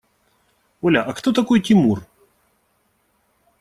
Оля, а кто такой Тимур?